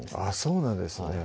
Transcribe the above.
そうなんですね